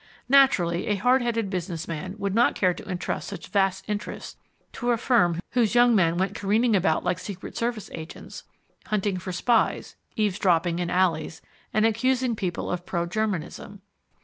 Naturally a hard headed business man would not care to entrust such vast interests to a firm whose young men went careering about like secret service agents, hunting for spies, eavesdropping in alleys, and accusing people of pro germanism.